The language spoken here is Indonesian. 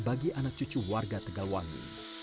bagi anak cucu warga tegalwangi